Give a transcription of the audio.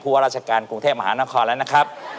ว่าราชการกรุงเทพมหานครแล้วนะครับ